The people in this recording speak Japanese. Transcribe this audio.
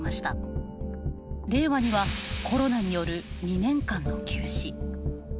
令和にはコロナによる２年間の休止。